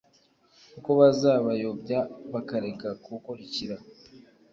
Kuko bazabayobya bakareka kunkurikira,